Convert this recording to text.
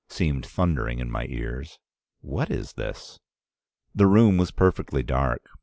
seemed thundering in my ears. 'What is this?' "The room was perfectly dark.